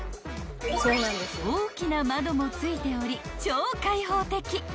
［大きな窓もついており超開放的］